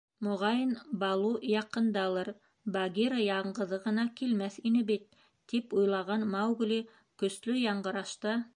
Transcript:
«Моғайын, Балу яҡындалыр, Багира яңғыҙы ғына килмәҫ ине бит», — тип уйлаған Маугли көслө яңғырашта: